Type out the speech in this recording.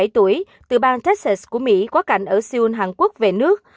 ba mươi bảy tuổi từ bang texas của mỹ có cảnh ở seoul hàn quốc về nước